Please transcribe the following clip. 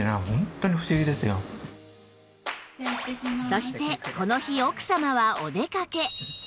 そしてこの日奥様はお出かけ